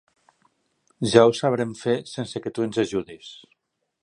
Ja ho sabrem fer sense que tu ens ajudis.